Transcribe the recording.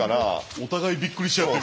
お互いびっくりし合ってる。